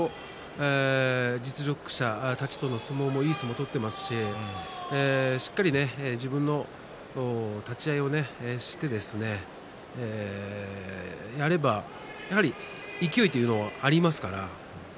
実力者たちとの相撲もいい相撲を取っていますししっかり自分の立ち合いをしてやればやはり勢いというのがありますから。